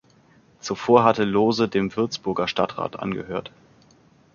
Zuvor hatte Lohse dem Würzburger Stadtrat angehört.